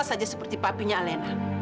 kamu sama sama seperti papinya alina